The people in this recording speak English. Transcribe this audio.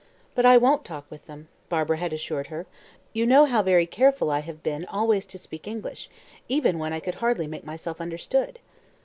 "But I won't talk with them," Barbara had assured her. "You know how careful I have been always to speak French even when I could hardly make myself understood."